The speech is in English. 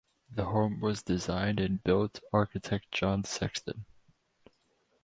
The home was designed and built architect John Sexton.